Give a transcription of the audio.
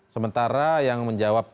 sementara yang menjawab tidak